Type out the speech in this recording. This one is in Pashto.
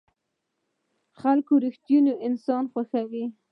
خلک رښتيني انسانان خوښوي.